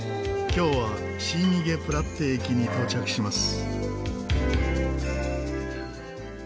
今日はシーニゲプラッテ駅に到着します。